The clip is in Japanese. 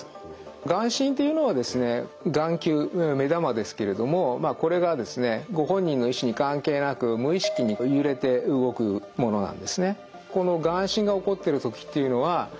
眼振っていうのはですね眼球目玉ですけれどもこれがですねご本人の意思に関係なく無意識に揺れて動くものなんですね。